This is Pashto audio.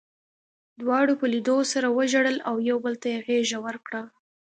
دواړو په لیدو سره وژړل او یو بل ته یې غېږه ورکړه